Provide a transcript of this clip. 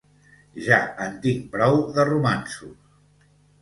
Ja en tinc prou de romanços!